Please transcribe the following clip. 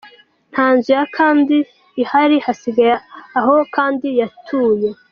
Nta nzu ya Kandt ihari, hasigaye aho Kandt yatuye.